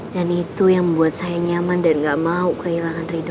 dan itu yang membuat saya nyaman dan gak mau kehilangan rido